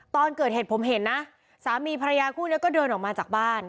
ตอนเกิดเหตุผมเห็นนะสามีภรรยาคู่นี้ก็เดินออกมาจากบ้าน